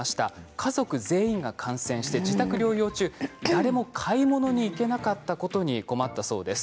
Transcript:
家族全員が感染して自宅療養中、誰も買い物に行けなかったことに困ったそうです。